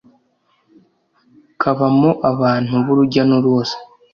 Kabamo abantu b urujya n uruza